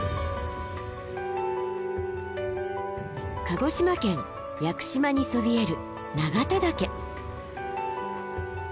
鹿児島県屋久島にそびえる永田岳。